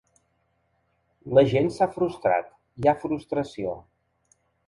La gent s’ha frustrat, hi ha frustració.